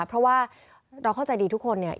เพราะว่าเราเข้าใจดีทุกคนเนี่ย